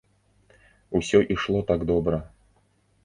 Усё ішло так добра.